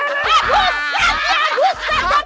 agus ya agus ya agus